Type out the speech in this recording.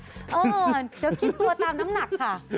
เดี๋ยวคิดตัวตามน้ำหนักค่ะ